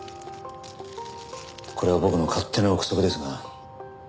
これは僕の勝手な臆測ですが。